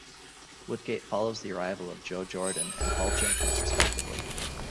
Woodgate follows the arrival of Joe Jordan and Paul Jenkins respectively.